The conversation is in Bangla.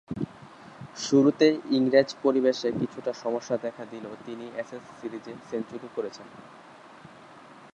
শুরুতে ইংরেজ পরিবেশে কিছুটা সমস্যা দেখা দিলেও তিনি অ্যাশেজ সিরিজে সেঞ্চুরি করেছেন।